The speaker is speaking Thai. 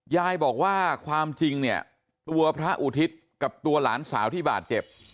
ยายบอกว่าความจริงเนี่ยตัวพระอุทิศกับตัวหลานสาวที่บาดเจ็บ